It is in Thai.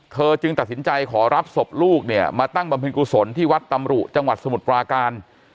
จึงตัดสินใจขอรับศพลูกเนี่ยมาตั้งบำเพ็ญกุศลที่วัดตำรุจังหวัดสมุทรปราการ